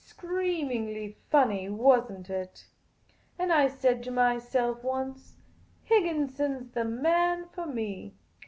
Screamingly funny, was n't it ? And I said to myself at once, ' Higginson 's the man for me.